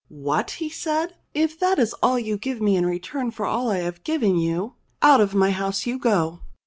"What !" he said. "If that is all you give me in return for all I've given you, out of my house you go."